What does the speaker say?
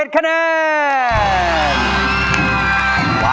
๑คะแนน